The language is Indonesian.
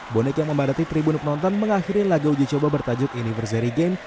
bonek yang membadati tribun penonton mengakhiri laga uji coba bertajuk anniversary game